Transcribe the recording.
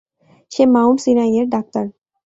সে mount সিনাইয়ের doctor.